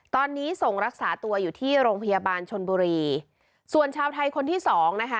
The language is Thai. ตอนนี้ส่งรักษาตัวอยู่ที่โรงพยาบาลชนบุรีส่วนชาวไทยคนที่สองนะคะ